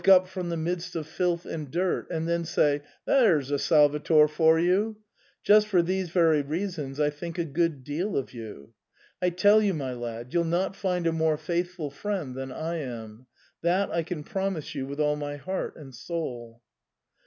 up from the midst of filth and dirt, and then say, * There's a Salvator for you !*— ^just for these very reasons I think a good deal of you. I tell you, my lad, you'll not find a more faithful friend than I am — that I can promise you with all my heart and soul."